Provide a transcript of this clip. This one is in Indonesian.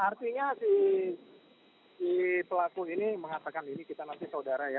artinya si pelaku ini mengatakan ini kita nanti saudara ya